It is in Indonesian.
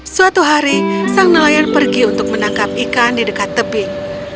suatu hari sang nelayan pergi untuk menangkap ikan di dekat tebing